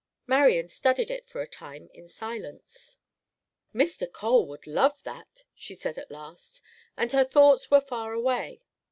Marian studied it for a time in silence. "Mr. Cole would love that," she said at last, and her thoughts were far away.